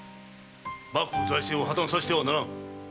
幕府財政を破綻させてはならん！